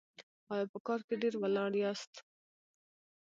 ایا په کار کې ډیر ولاړ یاست؟